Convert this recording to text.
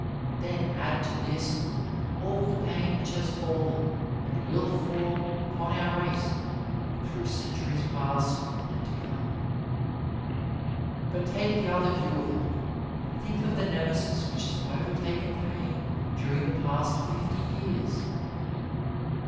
Then add to this all the pain which has fallen and will fall upon our race through centuries past and to come." But take the other view of it — ^think of the Nemesis which has over taken pain during the past fifty years